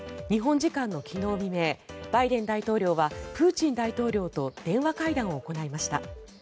日本時間の昨日未明バイデン大統領はプーチン大統領と電話会談を行いました。